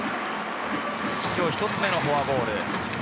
今日１つ目のフォアボール。